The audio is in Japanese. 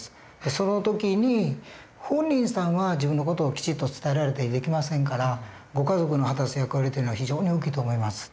その時に本人さんは自分の事をきちっと伝えられたりできませんからご家族の果たす役割というのは非常に大きいと思います。